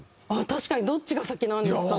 確かにどっちが先なんですかね。